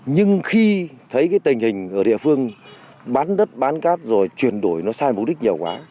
nhưng khi thấy cái tình hình ở địa phương bán đất bán cát rồi chuyển đổi nó sai mục đích nhiều quá